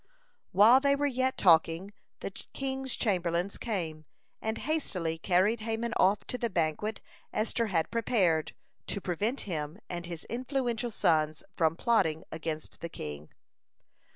(175) While they were yet talking, the king's chamberlains came, and hastily carried Haman off to the banquet Esther had prepared, to prevent him and his influential sons from plotting against the king.